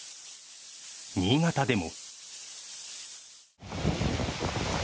新潟でも。